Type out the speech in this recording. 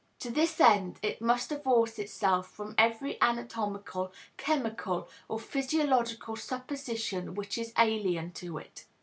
To this end, it must divorce itself from every anatomical, chemical or physiological supposition which is alien to it.